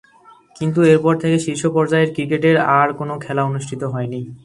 কিন্ত এরপর থেকে শীর্ষ পর্যায়ের ক্রিকেটের আর কোন খেলা অনুষ্ঠিত হয়নি।